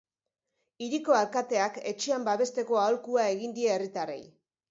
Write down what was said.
Hiriko alkateak etxean babesteko aholkua egin die herritarrei.